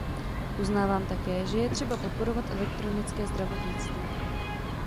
Uznávám také, že je třeba podporovat elektronické zdravotnictví.